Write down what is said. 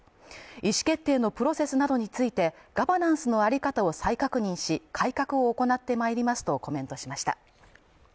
意思決定のプロセスなどについてガバナンスのあり方を再確認し、改革を行ってまいりますとコメントしました。